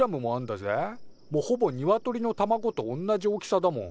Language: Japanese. もうほぼニワトリの卵とおんなじ大きさだもん。